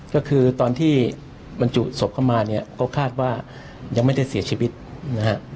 ก็คือตอนที่บรรจุศพเข้ามาเนี่ยก็คาดว่ายังไม่ได้เสียชีวิตนะฮะ